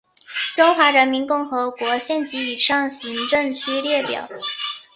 中华人民共和国县级以上行政区列表